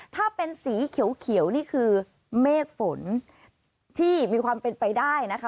ถ้าเป็นสีเขียวนี่คือเมฆฝนที่มีความเป็นไปได้นะคะ